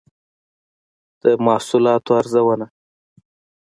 د محصولاتو ارزونه